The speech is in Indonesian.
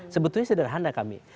sebetulnya sederhana kami